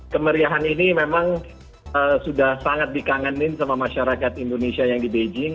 kemeriahan ini memang sudah sangat dikangenin sama masyarakat indonesia yang di beijing